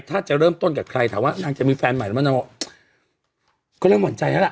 ถ้าจะเริ่มต้นกับใครถามว่านางจะมีแฟนใหม่แล้วไหมนางบอกก็เริ่มหั่นใจแล้วล่ะ